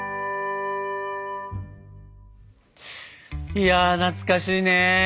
いや懐かしいね。